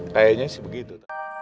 kayaknya sih begitu